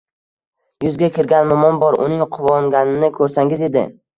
Yuzga kirgan momom bor. Uning quvonganini ko‘rsangiz edi…